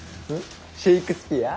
シェークスピア？